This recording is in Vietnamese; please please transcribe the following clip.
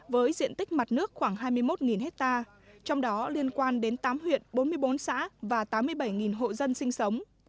với diện tích mặt nước khoảng hai mươi một ha trong đó liên quan đến tám huyện bốn mươi bốn xã và tám mươi bảy hộ dân sinh sống